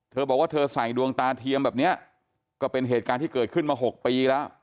เธอบอกว่าเธอใส่ดวงตาเทียมแบบนี้ก็เป็นเหตุการณ์ที่เกิดขึ้นมา๖ปีแล้ว